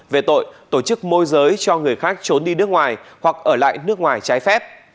về tội tổ chức môi giới cho người khác trốn đi nước ngoài hoặc ở lại nước ngoài trái phép